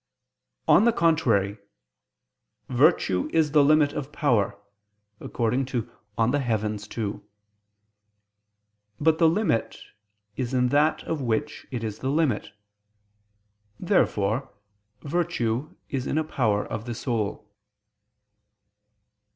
On the contrary, "Virtue is the limit of power" (De Coelo ii). But the limit is in that of which it is the limit. Therefore virtue is in a power of the soul.